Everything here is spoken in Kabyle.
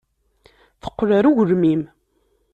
Teqqel ɣer ugelmim.